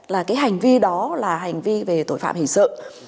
là cái hành vi đó là hành vi về tội phạm hình sự